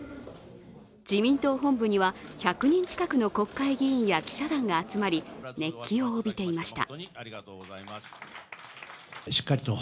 自民党本部には１００人近くの国会議員や記者団が集まり、熱気を帯びていました。